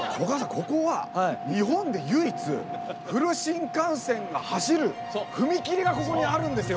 ここは日本で唯一フル新幹線が走る踏切がここにあるんですよ！